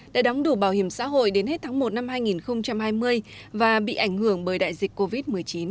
đã đóng đủ bảo hiểm xã hội đến hết tháng một năm hai nghìn hai mươi và bị ảnh hưởng bởi đại dịch covid một mươi chín